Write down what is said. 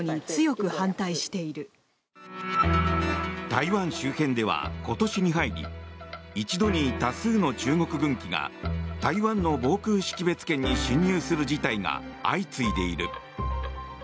台湾周辺では今年に入り一度に多数の中国軍機が台湾の防空識別圏に侵入する事態が相次いでいる。